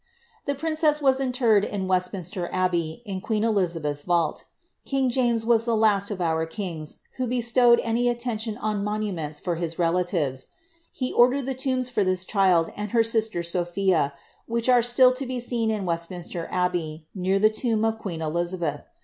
The princess was interred in Westminster Abbey, in queen Elizabeth's vault. King James was the last of our kings who bestowed any atten tion on monuments for his relatives ; he ordered the tombs for this child and her sister Sophia, which are still to be seen in Westminster Abbey, near the tomb of queen Elizabeth.